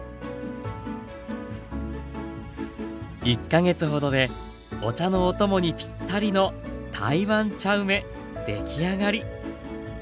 １か月ほどでお茶のお供にピッタリの台湾茶梅出来上がり。